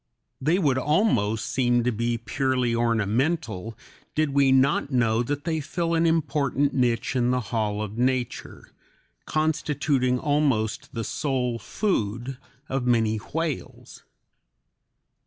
They would almost seem to be purely ornamental did we not know that they fill an important niche in the hall of nature, constituting almost the sole food of many whales.